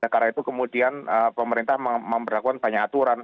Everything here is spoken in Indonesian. karena itu kemudian pemerintah memperlakukan banyak aturan